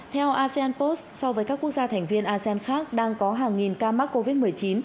theo asean post so với các quốc gia thành viên asean khác đang có hàng nghìn ca mắc covid một mươi chín